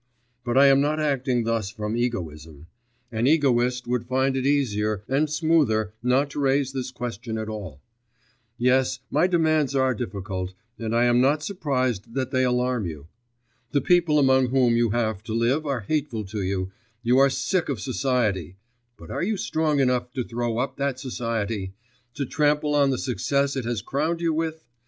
But I am not acting thus from egoism: an egoist would find it easier and smoother not to raise this question at all. Yes, my demands are difficult, and I am not surprised that they alarm you. The people among whom you have to live are hateful to you, you are sick of society, but are you strong enough to throw up that society? to trample on the success it has crowned you with?